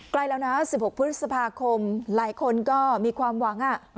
ใกล้แล้วนะ๑๖พฤษภาคมหลายคนก็มีความหวัง